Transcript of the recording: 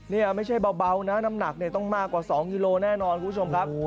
นี่ไม่ใช่เบานะน้ำหนักเนี่ยต้องมากกว่า๒กิโลแน่นอนคุณผู้ชมครับ